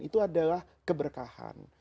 itu adalah keberkahan